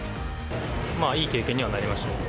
いい経験にはなりましたね。